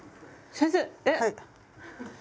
先生